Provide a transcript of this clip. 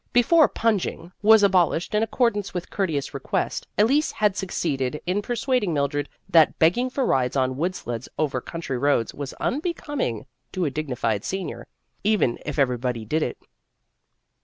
Before " punging " was abolished in accordance with courteous request, Elise had suc ceeded in persuading Mildred that beg ging for rides on wood sleds over country roads was unbecoming to a dignified senior, even if everybody did it.